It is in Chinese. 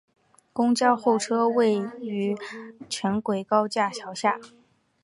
公交候车区位于城轨高架桥下。